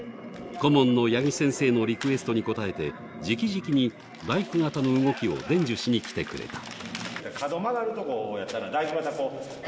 顧問の八木先生のリクエストに応えて直々に大工方の動きを伝授しに来てくれた。